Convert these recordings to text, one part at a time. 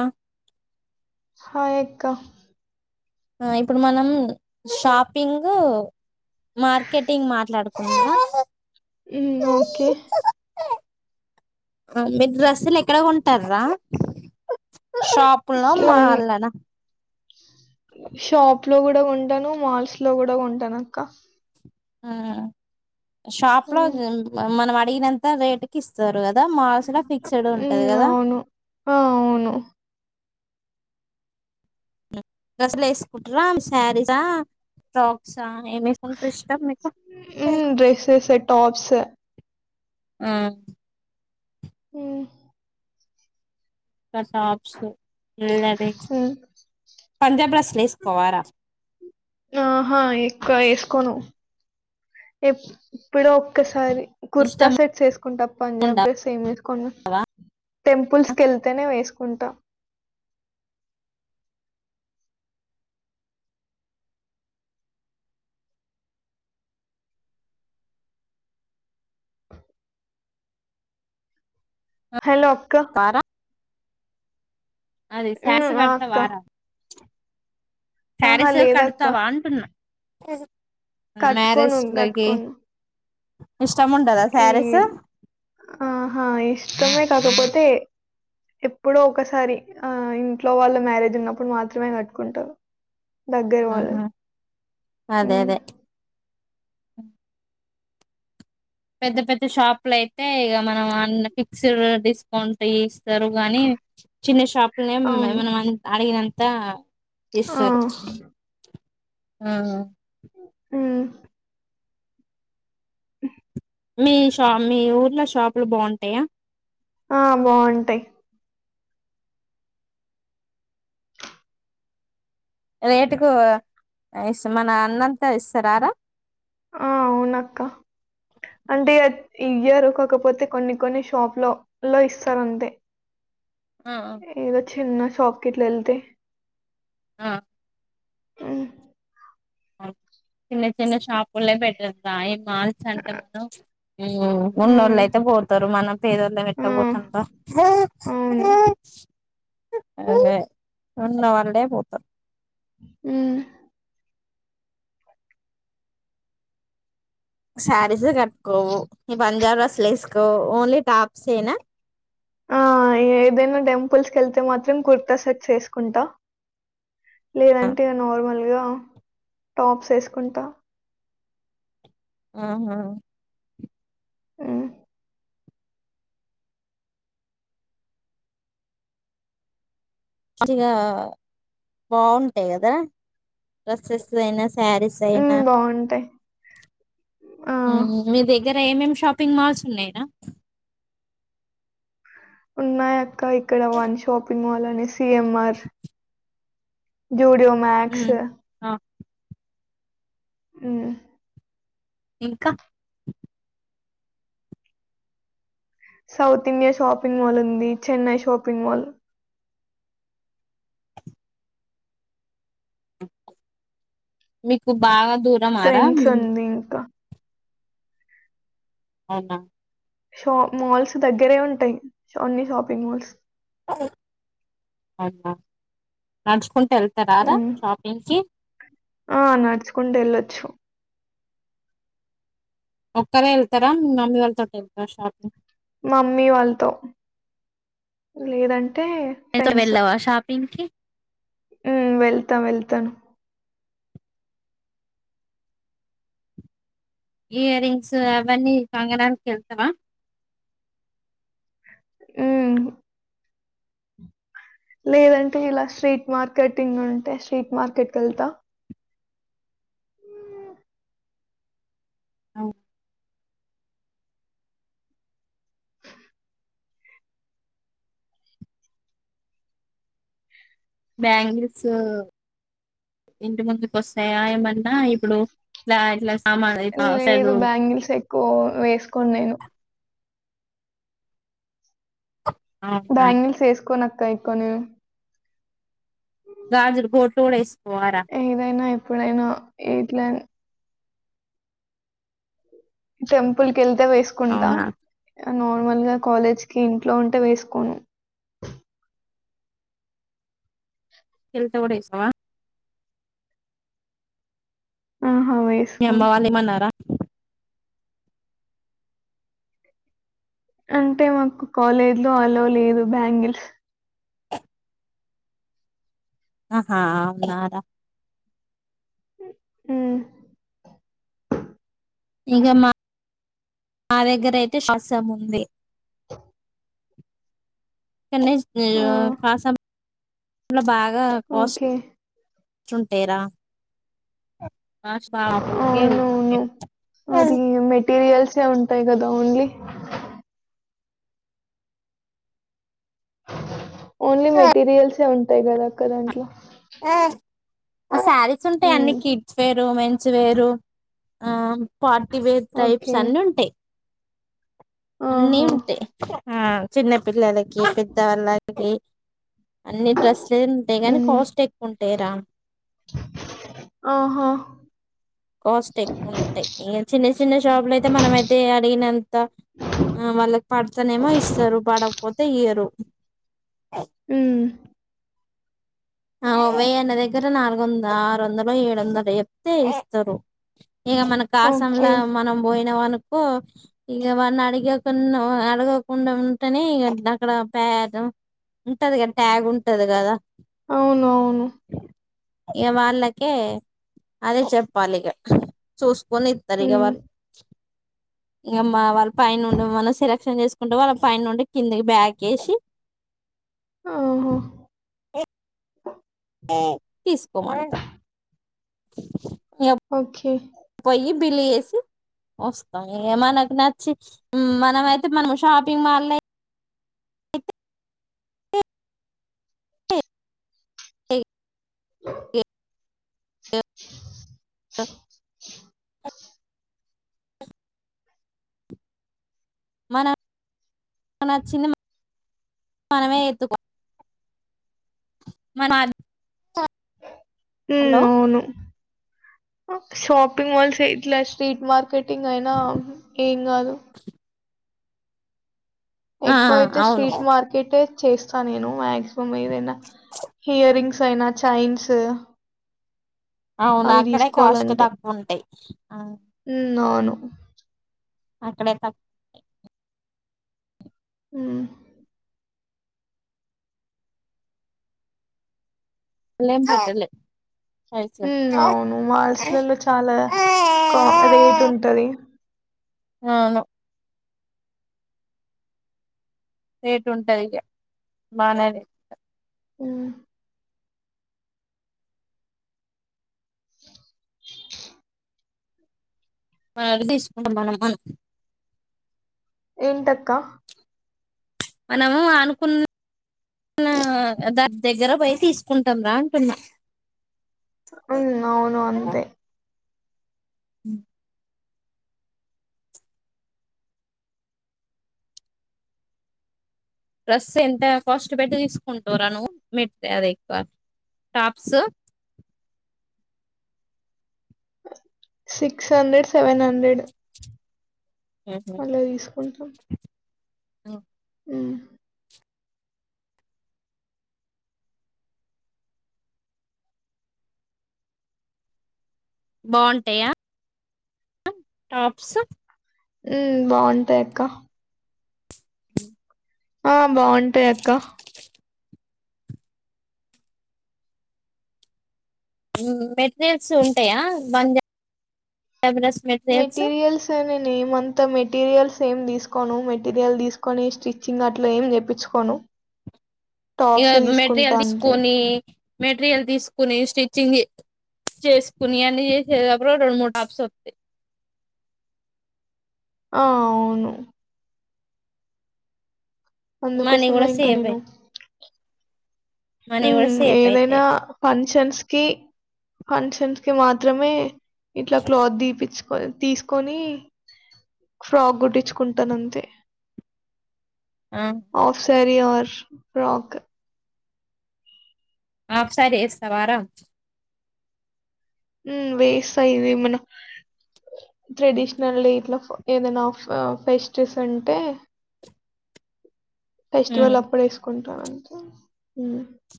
ఆ హాయ్ అక్క ఆ ఇప్పుడు మనం షాపింగ్ యూ మార్కెటింగ్ మాట్లాడుకుందాం యూ ఓకే మీరు డ్రెస్సులు ఎక్కడ కొంటారు రా షాపుల్లో ఇట్లా మాల్ లోన షాప్ ట్లో కూడా కొంటాను మాల్స్ లో కూడా కొంటాను అక్క ఆ షాప్ లో ఉమ్, గా మనం వాట అడిగినంత రేట్ కి ఇస్తారు దా మల్స్ లో ఫిక్స్డ్ ఉంటది ఉమ్, కదా అవును ఆ, అవును డ్రెస్సులు వేసుకుంటారా సారీస్ ఆ ఫ్రాక్స్ ఆ ఏమి వేసుకోవడం ఇష్టం మీకు డ్రెస్సెస్ టాప్స్ ఆ ఉ టాప్స్ యు ఉన్నది ఉమ్. పంజాబ్ డ్రెస్సులు వేసుకోవారా ఆహా ఎక్కువ వేసుకోను ఎప్పుడో ఒక్కసారి కుర్తా ఇష్టం సెట్స్ వేసుకుంటా ఉండా పంజాబ్ డ్రెస్ ఏం వేసుకోను వా టెంపుల్స్ కు వెళ్తేనే వేసుకుంటాం హలో అక్క అదే శారీస్ ఉమ్, ఆ కడతవ అక్క రా ఆహా శారీస్ లేదక్క కడుతావా అంటున్నా [inaudible] కట్టుకోను మ్యారేజ్ లకి కట్టుకోను ఇష్టం ఉంటదా ఏ శారీస్ ఆహా ఎ ఇష్టమే కాకపోతే ఎప్పుడో ఒకసారి ఆ ఇంట్లో వాళ్ళు మ్యారేజ్ ఉన్నప్పుడు మాత్రమే కట్టుకుంటాను ఆహా అదే హ్మ్. అదే అ పెద్ద పెద్ద షాపులు అయితే ఇక మనం అన్న ఫిక్స్డ్ డిస్కౌంట్ ఇస్తారు గాని చిన్న అవును. షాపులనేమన అడిగినంత ద ఆ! ఇస్తరు ఉ మీ షా మీ ఊర్లో షాపులు బాగుంటాయా ఆ బాగుంటాయి రేటుకు ఇ మన అన్నంతా ఇస్తారారా ఆ అవునక్క అంటే ఇయరు కాకపోతే కొన్ని కొన్ని షాప్ లో లో ఇస్తారు అంతే ఆ ఏదో చిన్న షాప్ కి గిట్ల వెళితే ఆ ఆ చిన్న చిన్న షాప్ ఒళ్ళే పెట్టా ఈ మాల్స్ అంటే ఆహ్, మనం ఉన్నోళ్ళ హ్మ్. అయితే పోతారు మనం పేదోళ్ళ ఆ! ఎట్ల పోతంర అవును. అదే ఉన్న వాళ్లే పోతారు ఉ శారీస్ కట్టుకోవు ఈ పంజాబ్ డ్రెస్సులు వేసుకో ఓన్లీ టాప్స్ ఏనా ఆ ఏదైనా టెంపుల్స్ కి వెళ్తే మాత్రం కుర్తా సెట్స్ వేసుకుంటా లేదంటే ఇగ నార్మల్ గా హ టాప్స్ వేసుకుంటా ఊహు ఉ మాకు ఇగ బాగుంటాయి కదా డ్రస్సెస్ అయినా స సారీ స్ అయినా హ్మ్. బావుంటాయి. ఆ! హు మీ దగ్గర ఏంఎం షాపింగ్ మాల్స్ ఉన్నాయి రా ఉన్నాయ ఆ క ఇక్కడ వన్ షాపింగ్ మాల్ లనేసి సిఎమ్ ఆర్ జూడియో మ్యాక్స్ ఉమ్ ఊ ఇంకా సౌత్ ఇండియా షాపింగ్ మాల్ ఉంది చెన్నై షాపింగ్ మాల్ మీకు బాగా దూరమారా ట్రెండ్స్ హు ఉంది ఇంకా. అవునా షో మాల్స్ దగ్గరే ఉంటాయి అన్ని షాపింగ్ మాల్స్ ఆ అవునా నడుచుకు వెళ్తార రా హ్మ్. షాపింగ్ కి ఆ నడుచుకుంట ఎళ్ళొచ్చు ఒక్కరే వెళ్తారా మీ మమ్మీ వాళ్లతోటి వెళ్తారా షాప్ంగ్ మా మమ్మీ వాళ్ళతో లేదంటే టే ఫ్రెండ్స్ పింకి ఉ వెళ్తా వెళ్తాను ఇయర్ రింగ్స్ అవన్నీ కంగనాలకు వెళ్తావా హు లేదంటే ఇలా స్ట్రీట్ మార్కెటింగ్ ఉంటే స్ట్రీట్ మార్కెట్ కి వెళ్తా అవు బ్యాంగిల్స్ ఇంటి ముందుకు వస్తాయా ఏమన్నా ఇప్పుడు ఇట్లా ఇట్లా సామాన్ ఇట్లా లేదు వస్తాడు బ్యాంగిల్స్ ఎక్కువ వేసుకోను నేను అవునా బ్యాంగిల్స్ వేసుకొని కాయి కొనే గాజులు గోట్లు కూడా ఎసు ఏదైనా ఎప్పుడుయినా ఇట్లా టెంపుల్ కి వెళ్తే వేసుకుంటా అవునా నార్మల్ గా కాలేజ్ కి ఇంట్లో ఉంటే వేసుకోను వెళ్తే కూడా వేసుకోవా ఆ మీ అమ్మ వాల్లే ఇవనారా [unintelligible] అంటే మాకు కాలేజ్ లో అలో లేదు బ్యాంగిల్ అహా అవున్ కదా మ్ ఇక మా నా దగ్గరయితే శ్వాసము ఉంది నెక్ట్ డే కాస లో బాగ్ ఇగా కాస్ట్ ఓకే చుంటేర మాస్ బా హోకె మెటీరియల్సే ఉంటాయి కదా ఓన్లీ ఓన్లీ మెటీరియల్సె ఉంటా పడతాయి కదా ఒక్కదానికి అ శారీస్ ఉంటాయి అన్ని కిడ్స్ వేరు మెన్స్ వేరు ఆ పార్టీవేర్ టైప్స్ ఓకే అన్ని ఉంటయి అన్నీ ఆహా ఉంటాయి ఆ చిన్న పిల్లలకి పెద్దవాళ్ళ ఒకె అన్ని డస్లులే ఉంటాయి కాని ఉమ్. కాస్ట్ ఎక్కువ ఉంటాయి రా ఆహా కాస్ట్ ఎక్కువ ఉంటాయి చిన్న చిన్న షాపులు అయితే మన అయితే అడిగినంత వాళ్ళకి పడతనేమో ఇస్తారు పడకపోతే ఇయ్యరు మ్ ఆ ఉమయ్ అన్న దగ్గర నాలుగు వంద ఆరు వందలు ఏడు వందలు చెప్తే ఇస్తరు ఇక మనక్ దాసాం ఓకే. లా మనం పోయి అనుకో ఇక వాన్ని అడగెకున్నా అడగకుండా ఉంటేనే అక్కడ పె ఉంటది కదా ట్యాగ్ ఉంటది కదా అవునవును ఇక వాళ్ళకే అదే చెప్పాలి ఇక చూస్ కొనిత్తర్ ఇక హ్మ్. వాళ్ ఇంక మ్ మా వాళ్ళ పై నుండి మనం సెలక్షన్ చేసుకుంటే వాళ్ళ పై నుండి కిందకి బ్యాక్ వేసి ఆహ ఏ తీస్కో మనం అం ఓకే పోయిి బిల్లు చేేసి వస్తాం ఇక మనకు నచ్చి మనమ అయితే మనం షాపింగ్ మాల్ ఎ ఎ మన నచ్చింది మనమే ఎత్తుకో మన హ హలో అవును షాపింగ్ మోల్స్ ఇట్లా స్ట్రీట్ మార్క్ మార్కెటింగ్ అయినా ఏం కాదు ఆ ఏకువ ఇయితే అవును స్ట్రీట్ మార్కెట్ చేస్తా నేను మ్యాక్స సదనా హియర్ రింగ్స్ సైనా చైన్స్ అవునా అవి అక్కడే కాస్ట్ తీసుకోవాలంటే. తక్కు ఉంటాయి అవు హ్మ్. అవును. అక్కడే ఆ అళం పట్టలే హమ్ అవును మాల్స్ లో చాలా క రేట్ ఉంటది అవును రేటు ఉంటది ఇక బానే ఉమ్ మన తీసుకుంటా మనం అను ఏంటి అక్క మనము అనుకున్న దాని దగ్గర బయ తీసుకుంటాం రా అంటున్నా ఉమ్ అవును అంతే ఉమ్ డ్రస్ ఎంత కాస్ట్ పెట్టి తీసుకుంటా రా ను్ మెట్ అది ఎక్కువ టాప్స్ సి సిక్స్ హండ్రెడ్ సెవెన్ హండ్రెడ్ అలా తీసుకుంటాం ఆ ఉమ్ బాగుంటాయా టాప్స్ ఉ బాగుంటాయి అక్క అ [inaudible] ఆ బాగుంటాయి అక్క మెటీరియల్స్ ఉంటాయా బంద మెటీరియల్స్ ల నేనేమంత మె మెటీరియల్స్ ఏం తీసుకోను మెటీరియల్ తీసుకొని స్టిచ్చింగ్ అట్ల ఏం చేప్పించుకోను ఇగ మెటీరియల్ తీసుకొని మెటీరియల్ తీసుకొని స్టిచ్ చేసుకుని అన్ని చేసేదిప్పుడు రెండు మూడు టప్స్ వస్తాయ్ ఆ అవును మనీ అందుకోసం కూడా ఇంకా సేవ్ నేను మనీ హు కూడా సేవ్ ఏదైనా అయితాయి ఆ షన్స్ కి పంక్షన్ కి మాత్రమే ఇట్లా క్లాత్ దీపిచ్చు తీసుకొని ఫ్రాక్ కుట్టించుకుంటాను అంతే ఆ ఆఫ్ సారి వియోర్ ఫ్రాక్ హాఫ్ శారి వేస్తావా రా ఊ వేస్తా ఇవి మన ట్రెడిషనల్ డే ఇట్లా ఏదైనా ఫెస్టిస్ ఉంటే ఫెస్టివల్ అప్పుడు ఏసుకుంట [unintelligible]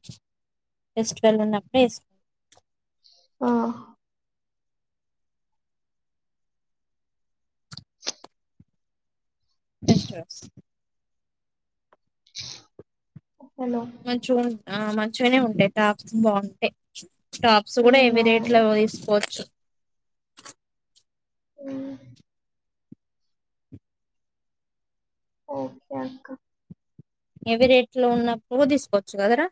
[inaudible] పేస్టివల్ ఉన్నప్పుడు ఏసుకుంట ఆ బెస్ట్ డ్రెస్ హలో! మంచిగా వున్ ఆ మంచిగానే ఉంటాయి టాప్స్ బాగుంటాయి టాప్స్ కూడా హ్మ్. హేవి రేట్ లో అవును. తీసుకోవచ్చు ఉ ఓకే అక్క హేవి రేట్లో ఉన్నప్పుడు తీసుకోవచ్చు కదరా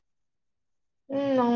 ఉ అవును